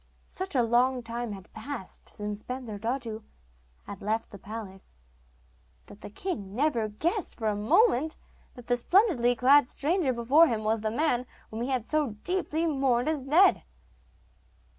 Such a long time had passed since Bensurdatu had left the palace, that the king never guessed for a moment that the splendidly clad stranger before him was the man whom he had so deeply mourned as dead.